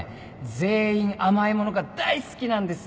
全員甘い物が大好きなんですよ